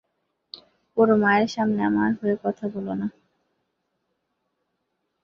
ওর মায়ের সামনে আমার হয়ে কথা বললো না।